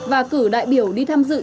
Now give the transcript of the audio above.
và cử đại biểu đi tham dự